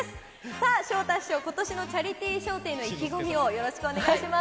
さあ、昇太師匠、ことしのチャリティー笑点の意気込みをよろしくお願いします。